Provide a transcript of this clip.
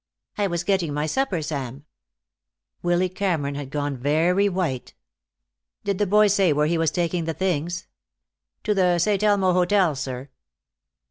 "I was getting my supper, Sam." Willy Cameron had gone very white. "Did the boy say where he was taking the things?" "To the Saint Elmo Hotel, sir."